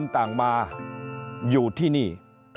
ต่างมาอยู่ที่นี่